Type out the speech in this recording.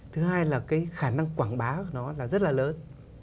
thứ hai là cái khả năng quảng bá của nó là rất là lớn